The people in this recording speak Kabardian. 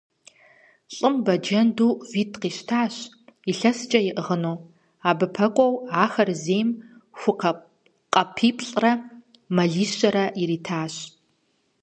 ЛӀым бэджэнду витӀ къищтащ, илъэскӀэ иӀыгъыну. Абы пэкӀуэу ахэр зейм ху къэпиплӀрэ мэлищрэ иритащ.